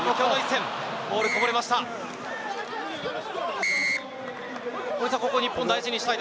ボールがこぼれました。